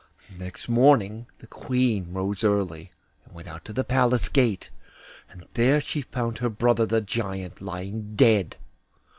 Next morning the Queen rose early, and went out to the Palace gate, and there she found her brother the Giant lying dead.